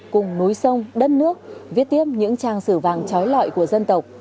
cùng núi sông đất nước viết tiếp những trang sử vàng trói lọi của dân tộc